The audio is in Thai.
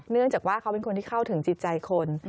เนื่องจากว่าเขาเป็นคนที่เข้าถึงจิตใจคน